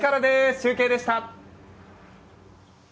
中継でした。